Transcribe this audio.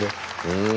うん。